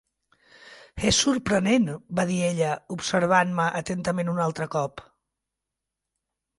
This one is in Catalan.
"És sorprenent", va dir ella, observant-me atentament un altre cop.